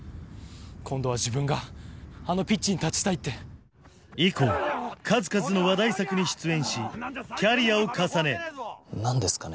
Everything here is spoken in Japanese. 今度は自分があのピッチに立ちたいって以降数々の話題作に出演しキャリアを重ね何ですかね